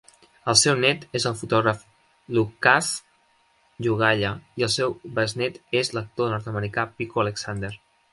El seu net és el fotògraf Lukasz Jogalla i el seu besnet és l'actor nord-americà Pico Alexander.